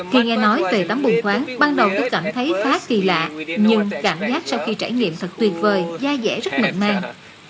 khi nghe nói về tấm bùng khoáng ban đầu tôi cảm thấy khá kỳ lạ nhưng cảm giác sau khi trải nghiệm thật tuyệt vời da dẻ rất mịn màng